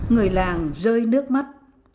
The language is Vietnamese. người làng rơi nước mắt